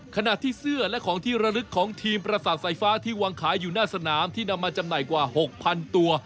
ขณะที่เสื้อและของที่ระลึกของทีมประสาทสายฟ้าที่วางขายอยู่หน้าสนามที่นำมาจำหน่ายกว่า๖๐๐๐ตัว